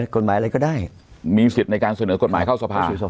เขาจะเสนอกฎหมายเข้าสภา